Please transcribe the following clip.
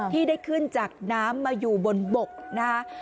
ที่ได้ขึ้นจากน้ำมาอยู่บนบกนะคะ